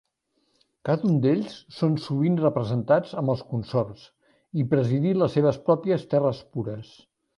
Cada un d'ells són sovint representats amb els consorts, i presidir les seves pròpies terres pures.